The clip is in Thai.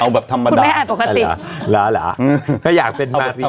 เอาแบบธรรมดาคุณแม่อ่านปกติหลาหลาถ้าอยากเป็นมารี